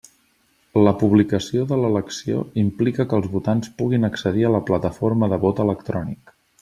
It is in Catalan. La publicació de l'elecció implica que els votants puguin accedir a la plataforma de vot electrònic.